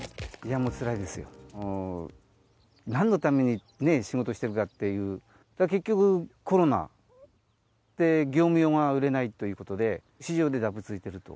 もうなんのために仕事してるかっていう、結局、コロナで業務用が売れないということで、市場でだぶついていると。